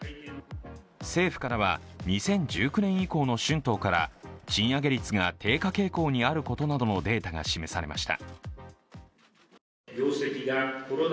政府からは２０１９年以降の春闘から賃上げ率が低下傾向にあることなどのデータが示されました。